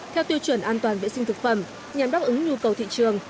theo tiêu chuẩn an toàn vệ sinh thực phẩm nhằm đáp ứng nhu cầu thị trường